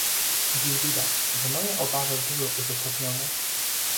Dziś widać, że moje obawy były uzasadnione